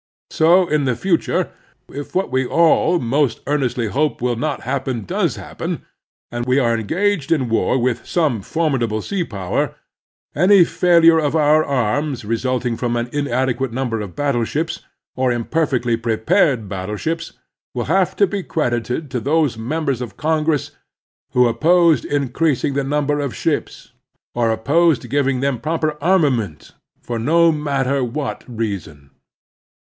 So in the future, if what we all most earnestly hope will not happen does happen, and we are engaged in war with some formidable sea power, any failure of our arms resulting from an inadequate ntimber of battleships, or imperfectly prepared battleships, will have to be credited to those members of Congress who opposed increas ing the nimiber of ships, or opposed giving them proper armament, for no matter what reason.